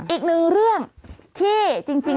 อีกหนึ่งเรื่องที่จริง